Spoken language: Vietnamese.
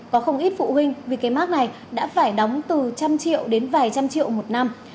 có không ít phụ huynh vì cái mát này đã phải đóng từ trăm triệu đến vài trăm triệu một năm